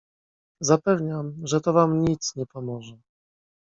"Zapewniam, że to wam nic nie pomoże."